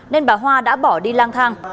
nên bà hoa đã bỏ đi lang thang